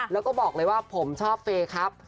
แล้วก็บอกเลยว่าผมชอบเฟย์ครับ